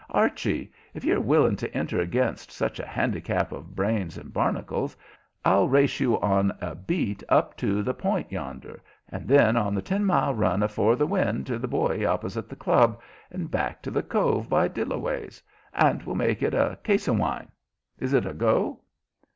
Archie, if you're willing to enter against such a handicap of brains and barnacles, I'll race you on a beat up to the point yonder, then on the ten mile run afore the wind to the buoy opposite the Club, and back to the cove by Dillaway's. And we'll make it a case of wine. Is it a go?"